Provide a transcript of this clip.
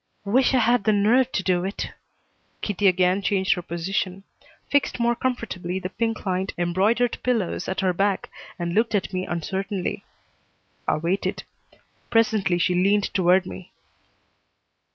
"Wish I had the nerve to do it!" Kitty again changed her position; fixed more comfortably the pink lined, embroidered pillows at her back, and looked at me uncertainly. I waited. Presently she leaned toward me.